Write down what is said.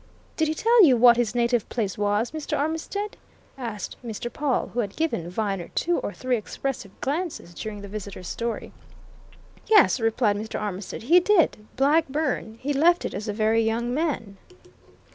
"Did he tell you what his native place was, Mr. Armitstead?" asked Mr. Pawle, who had given Viner two or three expressive glances during the visitor's story. "Yes," replied Mr. Armitstead. "He did Blackburn. He left it as a very young man."